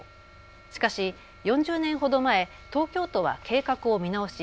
しかし４０年ほど前、東京都は計画を見直し